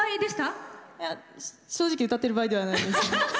正直、歌ってる場合ではないです。